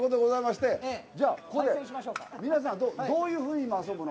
皆さんどういうふうに遊ぶの？